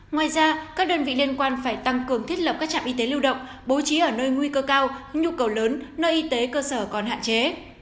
ngoài ra các đơn vị liên quan phải tăng cường thiết lập các trạm y tế lưu động bố trí ở nơi nguy cơ cao nhu cầu lớn nơi y tế cơ sở còn hạn chế